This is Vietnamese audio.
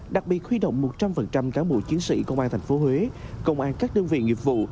đặc biệt huy động một trăm linh cán bộ chiến sĩ công an tp huế công an các đơn vị nghiệp vụ